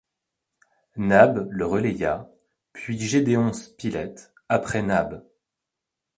Nab le relaya, puis Gédéon Spilett après Nab.